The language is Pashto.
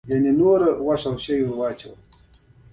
د خصوصي او دولتي پوهنتونونو اداري کارکوونکو ته